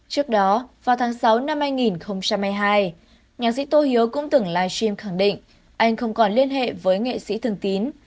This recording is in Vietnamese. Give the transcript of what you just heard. trước đó vào tháng sáu năm hai nghìn hai mươi hai nhạc sĩ tô hiếu cũng từng live stream khẳng định anh không còn liên hệ với nghệ sĩ thường tín